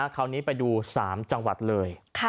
คราวนี้ไปดู๓จังหวัดเลย